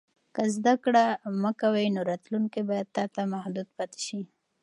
که زده کړه مه کوې، نو راتلونکی به تا ته محدود پاتې شي.